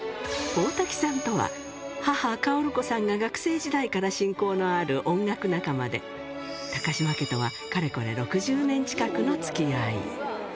大瀧さんとは、母、薫子さんが学生時代から親交のある音楽仲間で、高嶋家とは、かれこれ６０年近くのつきあい。